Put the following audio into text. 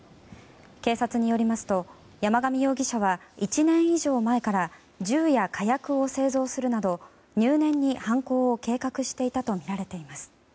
警察によりますと山上容疑者は１年以上前から銃や火薬を製造するなど入念に犯行を計画していたとみられています。